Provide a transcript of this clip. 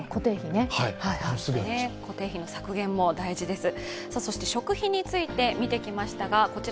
固定費の削減も大事です。